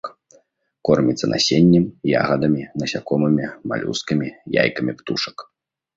Корміцца насеннем, ягадамі, насякомымі, малюскамі, яйкамі птушак.